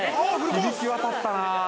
◆響き渡ったなあ。